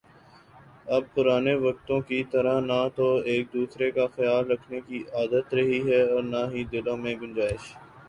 اب پرانے وقتوں کی طرح نہ تو ایک دوسرے کا خیال رکھنے کی عادت رہی ہے اور نہ ہی دلوں میں گنجائش